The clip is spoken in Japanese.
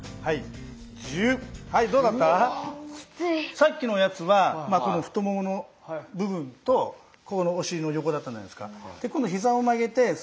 さっきのやつはこの太ももの部分とここのお尻の横だったじゃないですか。